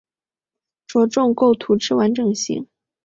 着重构图之完整性